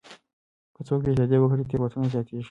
که څوک بې احتياطي وکړي تېروتنه زياتيږي.